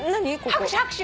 拍手拍手。